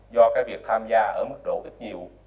do cái việc tham gia ở mức độ rất nhiều